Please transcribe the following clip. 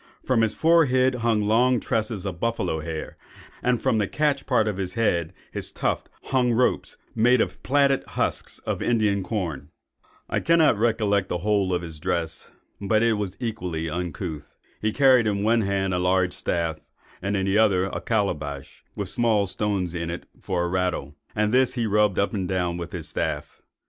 From his forehead hung long tresses of buffalo's hair; and from the catch part of his head (his tuft) hung ropes, made of the plaited husks of Indian corn. "I cannot recollect the whole of his dress, but that it was equally uncouth. He carried in one hand a large staff, in the other a calabash, with small stones in it for a rattle; and this he rubbed up and down with his staff.